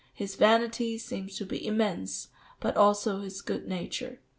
His vanity seems to be immense, but also his good nature."